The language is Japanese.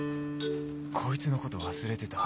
こいつのこと忘れてた